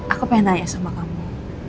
aku pengen nanya sama kamu